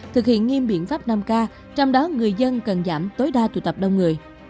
thực hiện nghiêm biện pháp năm k trong đó người dân cần giảm tối đa tụ tập đông người